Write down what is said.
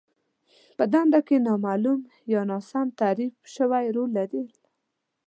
په دنده کې نامالوم يا ناسم تعريف شوی رول لرل.